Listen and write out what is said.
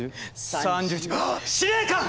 ３１あっ司令官！